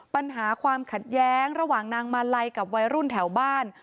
ปัญหาความขัดแย้งระหว่างนางมาลัยกับวัยรุ่นแถวบ้าน